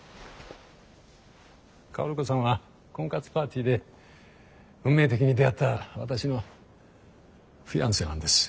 薫子さんは婚活パーティーで運命的に出会った私のフィアンセなんです。